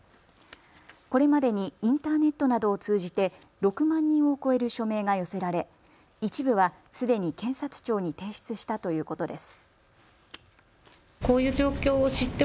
これまでにインターネットなどを通じて６万人を超える署名が寄せられ一部はすでに検察庁に提出したということです。